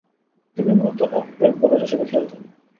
তিনি মূলতঃ off break bowler হিসেবে খেলতেন।